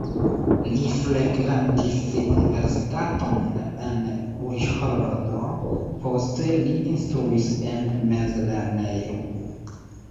Li frekventis universitaton en Uĵhorodo, poste li instruis en mezlernejo.